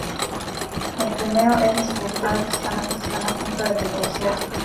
El primero, es descubrir que sus padres están a punto de divorciarse.